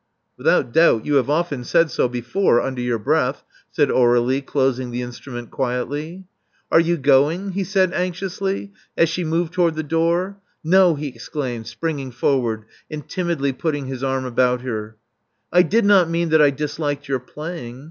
" "Without doubt you have often said so before under your breath," said Aur^lie, closing the instrument quietly. "Are you going?" he 'said anxiously, as she moved toward the door. "No," he exclaimed, springing forward, and timidly putting his arm about her, "I did not mean that I disliked your playing.